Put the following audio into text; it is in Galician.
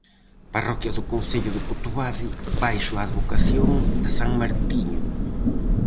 Parroquia do concello de Cotobade baixo a advocación de san Martiño.